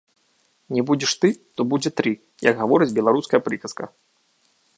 Не будзеш ты, то будзе тры, гаворыць беларуская прыказка.